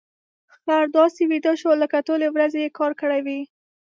خر داسې ویده شو لکه ټولې ورځې يې کار کړی وي.